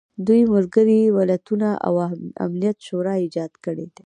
دوی ملګري ملتونه او امنیت شورا ایجاد کړي دي.